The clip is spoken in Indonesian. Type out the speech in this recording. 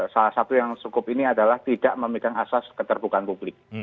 salah satu yang cukup ini adalah tidak memegang asas keterbukaan publik